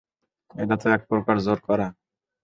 এটাতো একপ্রকার জোর করা।